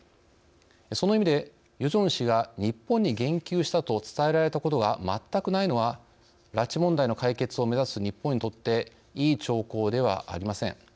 その意味でヨジョン氏が日本に言及したと伝えられたことが全くないのは拉致問題の解決を目指す日本にとっていい兆候ではありません。